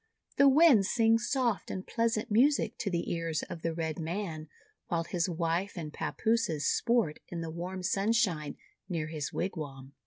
The winds sing soft and pleasant music to the ears of the Red Man, while his wife and papooses sport in the warm sunshine near his wigwam."